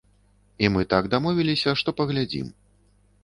І мы так дамовіліся, што паглядзім.